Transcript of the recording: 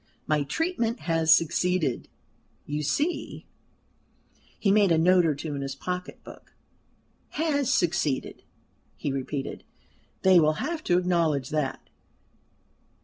"My treatment has succeeded, you see" he made a note or two in his pocket book "has succeeded," he repeated. "They will have to acknowledge that."